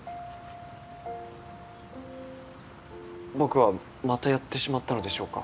僕はまたやってしまったのでしょうか。